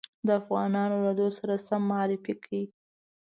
د افغانانو له دود سره سم معرفي کړ.